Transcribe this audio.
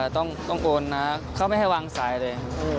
ต้องโอนนะเขาไม่ให้วางสายเลย